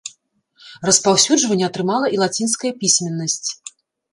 Распаўсюджванне атрымала і лацінская пісьменнасць.